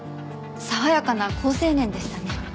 爽やかな好青年でしたね。